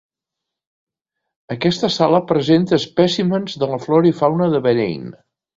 Aquesta sala presenta espècimens de la flora i fauna de Bahrain.